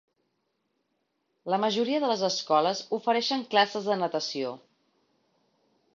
La majoria de les escoles ofereixen classes de natació.